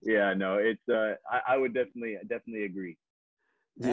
ya aku pasti setuju